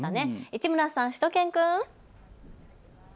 市村さん、しゅと犬くん。